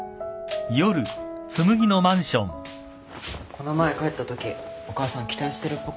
この前帰ったときお母さん期待してるっぽかったよ。